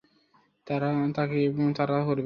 তারা তোকে তাড়া করবে।